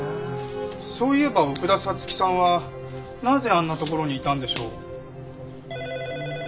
そういえば奥田彩月さんはなぜあんな所にいたんでしょう？